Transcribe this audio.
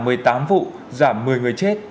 giảm một mươi tám vụ giảm một mươi người chết